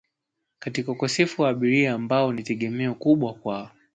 katika ukosefu wa abiria ambao ni tegemeo kubwa kwao